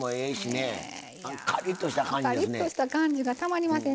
かりっとした感じがたまりません。